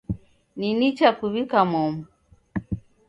Ni nicha kuw'ika momu.